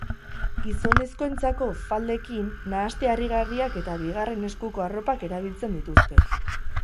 Gizonezkoentzako faldekin, nahaste harrigarriak eta bigarren eskuko arropak erabiltzen dituzte.